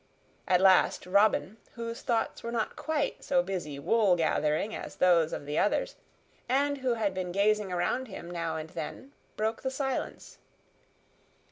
At last, Robin, whose thoughts were not quite so busy wool gathering as those of the others, and who had been gazing around him now and then, broke the silence.